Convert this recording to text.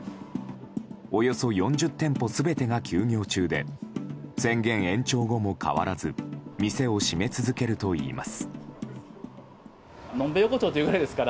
およそ４０店舗全てが休業中で宣言延長後も変わらず店を閉め続けるといいます。